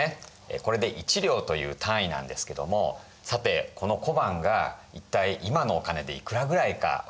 これで１両という単位なんですけどもさてこの小判が一体今のお金でいくらぐらいか分かりますか？